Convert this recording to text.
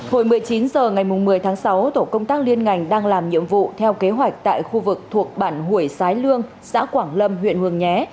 hồi một mươi chín h ngày một mươi tháng sáu tổ công tác liên ngành đang làm nhiệm vụ theo kế hoạch tại khu vực thuộc bản hủy sái lương xã quảng lâm huyện hương nhé